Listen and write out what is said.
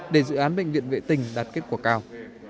để dự án bệnh viện vệ tình đạt kết quả cao